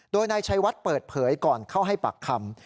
โดยนายชัยวัดเปิดเผยก่อนเข้าให้ปากคำ